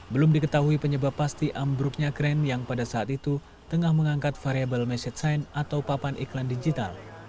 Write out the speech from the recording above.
belum diketahui penyebab pasti ambruknya kren yang pada saat itu tengah mengangkat variable message sign atau papan iklan digital